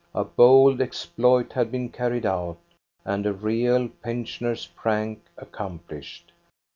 A bold exploit had been carried out, and a real pensioner prank accomplished.